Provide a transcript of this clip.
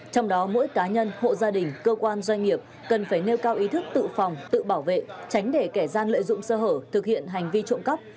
trong đó mỗi cá nhân hộ gia đình cơ quan doanh nghiệp cần phải nêu cao ý thức tự phòng tự bảo vệ tránh để kẻ gian lợi dụng sơ hở thực hiện hành vi trộm cắp